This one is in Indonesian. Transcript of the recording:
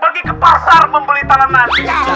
pergi ke pasar membeli talangan